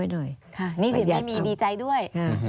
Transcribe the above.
หนี้สินไม่มีดีใจด้วย